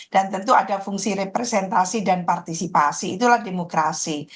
dan tentu ada fungsi representasi dan partisipasi itulah demokrasi